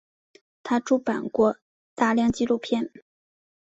他出版过大量纪录片。